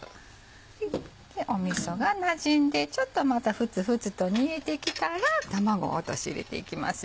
みそがなじんでちょっとまた沸々と煮えてきたら卵を落とし入れていきます。